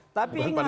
itu pak soekarno